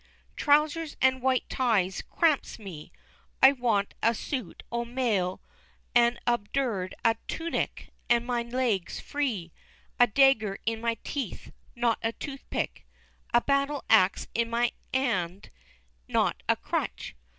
Trousers and white ties cramps me. I wants a suit o' mail an' a 'alberd; a toonic, and my legs free; a dagger in my teeth not a tooth pick; a battle axe in my 'and not a crutch.